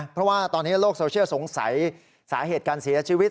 เพราะว่าตอนนี้โลกโซเชียลสงสัยสาเหตุการเสียชีวิต